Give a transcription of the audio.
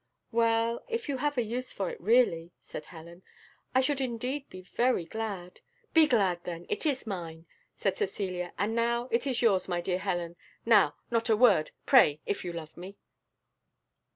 "Well, if you have a use for it, really," said Helen, "I should indeed be very glad " "Be glad then, it is mine," said Cecilia; "and now it is yours, my dear Helen, now, not a word! pray, if you love me!"